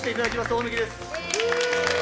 大貫です